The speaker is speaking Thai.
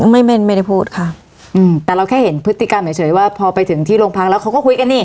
ไม่ไม่ไม่ได้พูดค่ะอืมแต่เราแค่เห็นพฤติกรรมเฉยเฉยว่าพอไปถึงที่โรงพักแล้วเขาก็คุยกันนี่